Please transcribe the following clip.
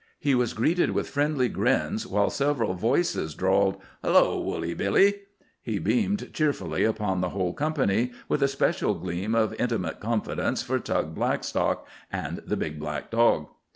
He was greeted with friendly grins, while several voices drawled, "Hullo, Woolly Billy!" He beamed cheerfully upon the whole company, with a special gleam of intimate confidence for Tug Blackstock and the big black dog.